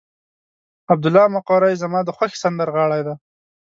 عبدالله مقری زما د خوښې سندرغاړی دی.